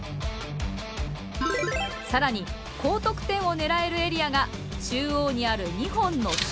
更に高得点を狙えるエリアが中央にある２本の筒。